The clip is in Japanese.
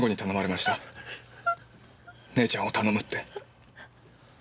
姉ちゃんを頼むって。